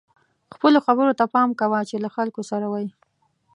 خپلو خبرو ته پام کوه چې له خلکو سره وئ.